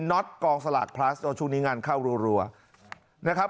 ็อตกองสลากพลัสช่วงนี้งานเข้ารัวนะครับ